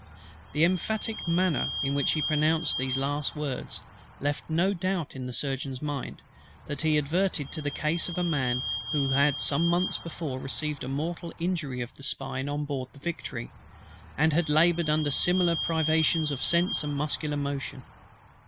The emphatic manner in which he pronounced these last words, left no doubt in the Surgeon's mind, that he adverted to the case of a man who had some months before received a mortal injury of the spine on board the Victory, and had laboured under similar privations of sense and muscular motion.